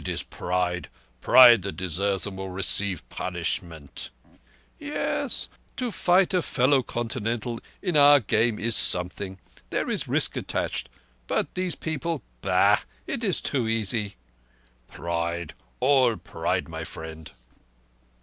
"It is pride—pride that deserves and will receive punishment." "Yes! To fight a fellow Continental in our game is something. There is a risk attached, but these people—bah! It is too easy." "Pride—all pride, my friend."